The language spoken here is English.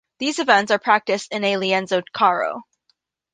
These events are practiced in a Lienzo charro.